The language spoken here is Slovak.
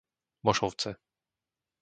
Mošovce